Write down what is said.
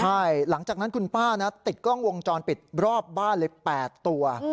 ใช่หลังจากนั้นคุณป้านะติดกล้องวงจรปิดรอบบ้านเลย๘ตัว